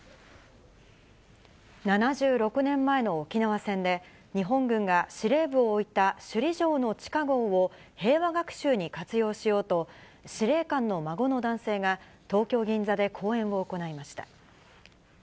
７６年前の沖縄戦で、日本軍が司令部を置いた首里城の地下ごうを、平和学習に活用しようと司令官の孫の男性が、東京・銀座で講演を行いました。